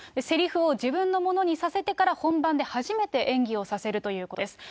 せりふを自分のものにさせてから本番で初めて演技をさせるということです。